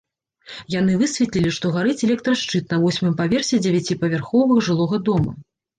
Яны высветлілі, што гарыць электрашчыт на восьмым паверсе дзевяціпавярховага жылога дома.